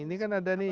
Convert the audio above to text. ini kan ada nih